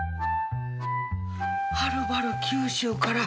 はるばる九州から？